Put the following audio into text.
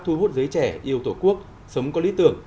thu hút giới trẻ yêu tổ quốc sống có lý tưởng